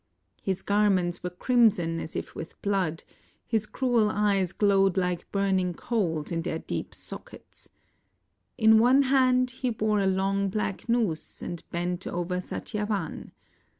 His garments were crimson as if vn.th. blood ; his cruel eyes glowed like burning coals in their deep sockets. In one hand he bore a long black noose and bent over Satyavan.